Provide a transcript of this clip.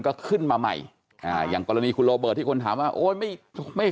ก็ขึ้นมาใหม่อ่าอย่างกรณีคุณโรเบิร์ตที่คนถามว่าโอ้ยไม่ไม่